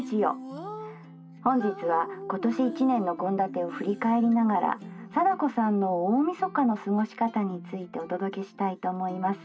本日は今年一年の献立を振り返りながら貞子さんの大みそかの過ごし方についてお届けしたいと思います。